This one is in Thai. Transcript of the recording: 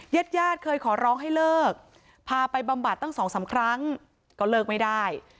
เย็ดย่าเคยขอร้องให้เลิกพาไปบำบัด๒๓ครั้งก็เลิกไม่ได้